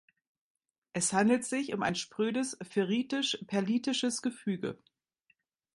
Es handelt sich um ein sprödes ferritisch-perlitisches Gefüge.